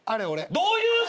どういう嘘！？